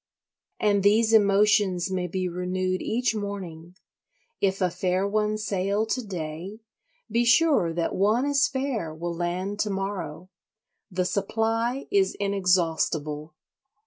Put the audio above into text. And these emotions may be renewed each morning; if a fair one sail to day, be sure that one as fair will land to morrow. The supply is inexhaustible.